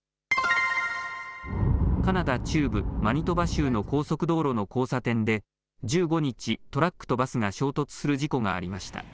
カナダ中部マニトバ州の高速道路の交差点で１５日、トラックとバスが衝突する事故がありました。